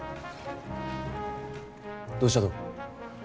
どうしたと？